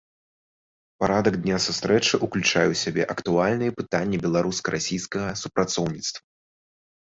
Парадак дня сустрэчы ўключае ў сябе актуальныя пытанні беларуска-расійскага супрацоўніцтва.